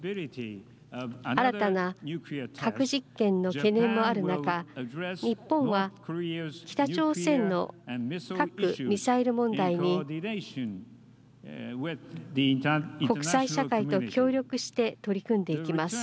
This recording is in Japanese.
新たな核実験の懸念もある中日本は、北朝鮮の核・ミサイル問題に国際社会と協力して取り組んでいきます。